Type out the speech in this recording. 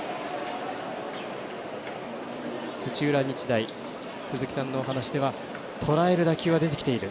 土浦日大、鈴木さんのお話ではとらえる打球は出てきている。